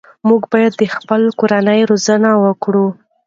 موږ باید د خپلې کورنۍ روزنه وکړو.